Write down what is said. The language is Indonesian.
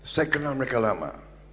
saya kenal mereka lama